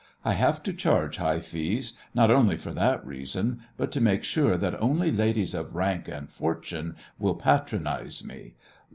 I have to charge high fees not only for that reason, but to make sure that only ladies of rank and fortune will patronize me.